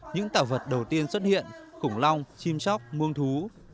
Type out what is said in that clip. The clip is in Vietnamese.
những tạo vật đầu tiên xuất hiện khủng long chim chóc muông thú